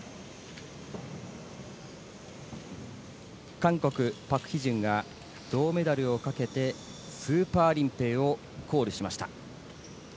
韓国、パク・ヒジュンが銅メダルをかけてスーパーリンペイをコールしました。